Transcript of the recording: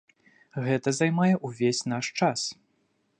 Гэта займае ўвесь наш час.